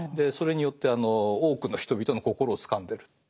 それによって多くの人々の心をつかんでる。